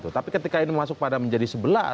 tapi ketika ini masuk pada menjadi sebelas